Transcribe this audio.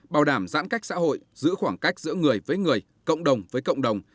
bảo đảm giãn cách xã hội giữ khoảng cách giữa người với người cộng đồng với cộng đồng